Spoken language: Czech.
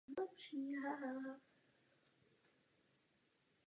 Používáme k řešení této záležitosti správné nástroje?